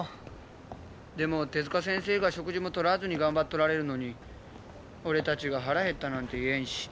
でも手先生が食事もとらずに頑張っておられるのに俺たちが「腹減った」なんて言えんし。